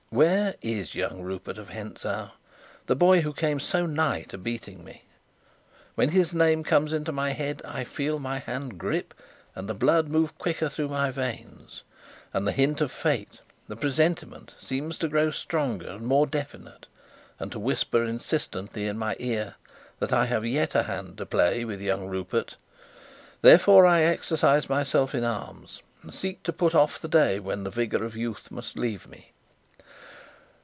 Where is young Rupert of Hentzau the boy who came so nigh to beating me? When his name comes into my head, I feel my hand grip and the blood move quicker through my veins: and the hint of Fate the presentiment seems to grow stronger and more definite, and to whisper insistently in my ear that I have yet a hand to play with young Rupert; therefore I exercise myself in arms, and seek to put off the day when the vigour of youth must leave me.